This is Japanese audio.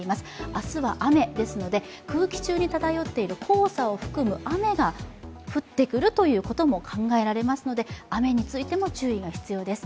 明日は雨ですので、空気中に漂っている黄砂を含む雨が降ってくるということも考えられますので、雨についても注意が必要です。